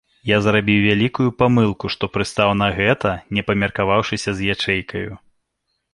Я зрабіў вялікую памылку, што прыстаў на гэта, не памеркаваўшыся з ячэйкаю.